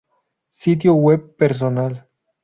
Sitio web personal